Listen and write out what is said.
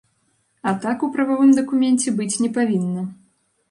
А так у прававым дакуменце быць не павінна.